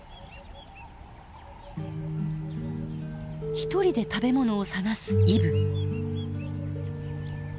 独りで食べ物を探すイブ。